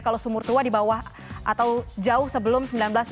kalau sumur tua dibawah atau jauh sebelum seribu sembilan ratus tujuh puluh